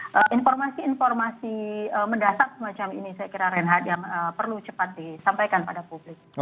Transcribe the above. saya kira reinhardt yang perlu cepat disampaikan pada publik